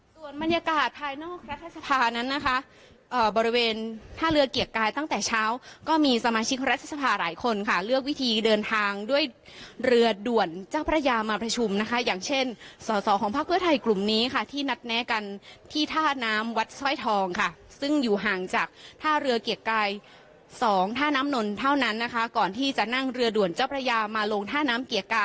ส่วนบรรยากาศภายนอกรัฐธรรพานั้นนะคะบริเวณท่าเรือเกียรติกายตั้งแต่เช้าก็มีสมาชิกรัฐธรรพาหลายคนค่ะเลือกวิธีเดินทางด้วยเรือด่วนเจ้าประยามาประชุมนะคะอย่างเช่นสอสอของภาคเพื่อไทยกลุ่มนี้ค่ะที่นัดแนะกันที่ท่าน้ำวัดสร้อยทองค่ะซึ่งอยู่ห่างจากท่าเรือเกียรติกายสองท่าน้ํ